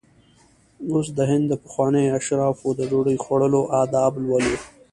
اوس د هند د پخوانیو اشرافو د ډوډۍ خوړلو آداب لولو.